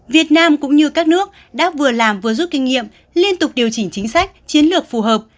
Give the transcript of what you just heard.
việt nam cũng như các nước đã vừa làm vừa rút kinh nghiệm liên tục điều chỉnh chính sách chiến lược phù hợp